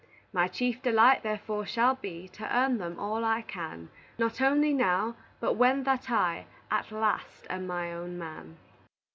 My chief delight, therefore, shall be To earn them all I can, Not only now, but when that I At last am my own man.